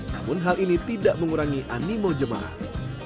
namun hal ini tidak mengurangi animo jemaah